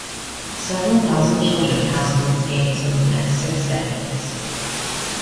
Several thousand children passed through its gates over the next six decades.